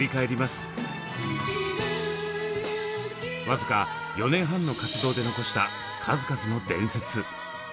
わずか４年半の活動で残した数々の伝説。